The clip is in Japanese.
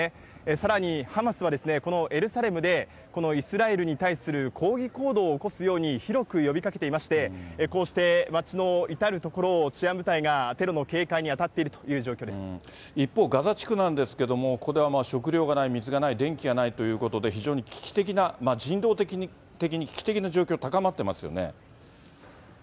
さらにハマスはですね、このエルサレムでイスラエルに対する抗議行動を起こすように広く呼びかけていまして、こうして町の至る所を治安部隊がテロの警戒に当たっているという一方、ガザ地区なんですけれども、ここでは食料がない、水がない、電気がないということで、非常に危機的な、人道的に危機的な状況高まってますよね。